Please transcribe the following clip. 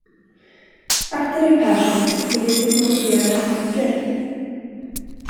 Akta dej, Persson, för politiskt motiverade attacker.